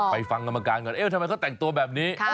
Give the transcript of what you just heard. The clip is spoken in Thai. ฟังกรรมการก่อนเอ๊ะทำไมเขาแต่งตัวแบบนี้